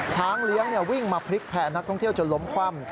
ช้างเลี้ยงวิ่งมาพลิกแผ่นักท่องเที่ยวจนล้มคว่ำ